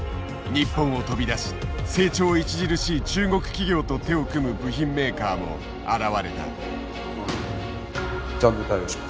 日本を飛び出し成長著しい中国企業と手を組む部品メーカーも現れた。